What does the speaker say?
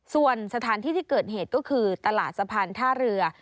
ส่วนสถานที่ที่เกิดเหตุก็คือตลาดสะพานท่าเรือ